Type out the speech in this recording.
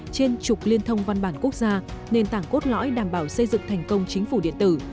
trên trục liên thông văn bản quốc gia nền tảng cốt lõi đảm bảo xây dựng thành công chính phủ điện tử